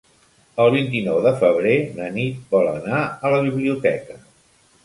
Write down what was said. El vint-i-nou de febrer na Nit vol anar a la biblioteca.